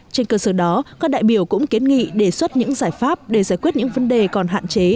trên cơ sở đó các đại biểu cũng kiến nghị đề xuất những giải pháp để giải quyết những vấn đề còn hạn chế